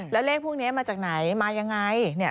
แล้วเลขพวกนี้มาจากไหนมายังไง